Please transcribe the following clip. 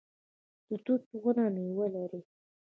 د توت ونه میوه لري